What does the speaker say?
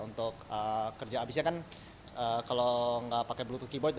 untuk kerja abisnya kan kalau nggak pakai bluetooth keyboard